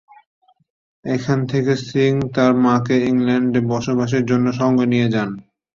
এখান থেকে সিং তার মাকে ইংল্যান্ডে বসবাসের জন্য সঙ্গে নিয়ে যান।